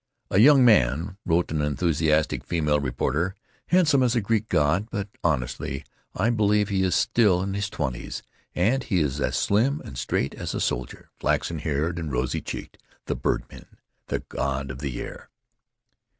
"A young man," wrote an enthusiastic female reporter, "handsome as a Greek god, but honestly I believe he is still in his twenties; and he is as slim and straight as a soldier, flaxen haired and rosy cheeked—the birdman, the god of the air."